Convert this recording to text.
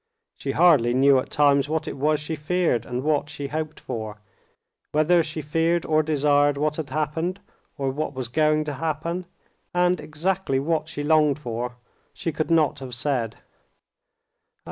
She hardly knew at times what it was she feared, and what she hoped for. Whether she feared or desired what had happened, or what was going to happen, and exactly what she longed for, she could not have said.